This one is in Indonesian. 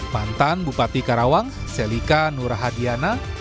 mantan bupati karawang selika nurahadiana